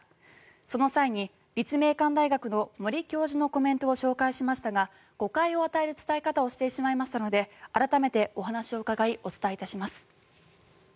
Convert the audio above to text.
その際に、立命館大学の森教授のコメントを紹介しましたが誤解を与える伝え方をしてしまいましたので改めてお話を伺いお伝えいたします。